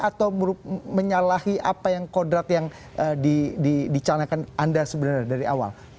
atau menyalahi apa yang kodrat yang dicanakan anda sebenarnya dari awal